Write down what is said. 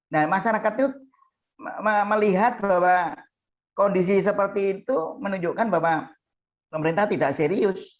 nah masyarakat itu melihat bahwa kondisi seperti itu menunjukkan bahwa pemerintah tidak serius